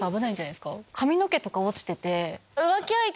髪の毛とか落ちてて。